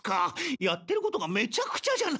やってることがめちゃくちゃじゃないですか！